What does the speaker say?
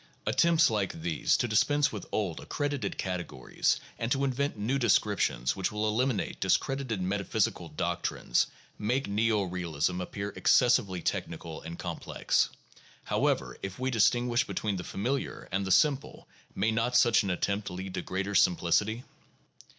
Attempts like these to dispense with old accredited categories and to invent new descriptions which will eliminate discredited meta physical doctrines, make neo realism appear excessively technical and complex. However, if we distinguish between the familiar and the simple, may not such an attempt lead to greater simplicity